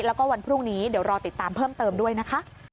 แล้วก็วันพรุ่งนี้เดี๋ยวรอติดตามเพิ่มเติมด้วยนะคะ